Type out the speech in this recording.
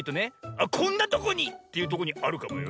「あっこんなとこに！」っていうとこにあるかもよ。